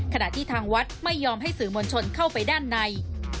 ขณะที่ทางวัดไม่ยอมให้สื่อมวลชนเข้าไปด้านใน